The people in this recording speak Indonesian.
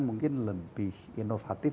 mungkin lebih inovatif